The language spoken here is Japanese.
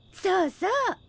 そうそう。